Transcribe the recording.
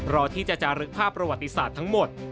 รอที่จะจารึกภาพประวัติศาสตร์ทั้งหมด